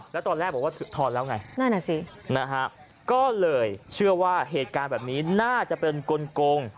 แล้วตอนแรกบอกว่าทอนแล้วไงนั่นอ่ะสินะฮะก็เลยเชื่อว่าเหตุการณ์แบบนี้น่าจะเป็นกลง